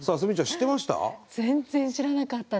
知ってました？